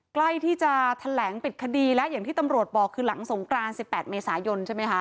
ใกล้ที่จะแถลงปิดคดีแล้วอย่างที่ตำรวจบอกคือหลังสงกราน๑๘เมษายนใช่ไหมคะ